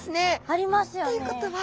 ありますよね。ということは。